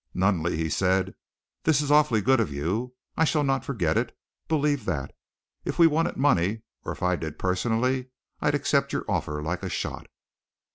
"Nunneley," he said, "this is awfully good of you. I shall not forget it. Believe that. If we wanted money, or if I did personally, I'd accept your offer like a shot."